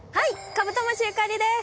カブトムシゆかりです。